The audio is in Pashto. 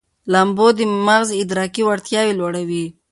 لامبو د مغز ادراکي وړتیاوې لوړوي.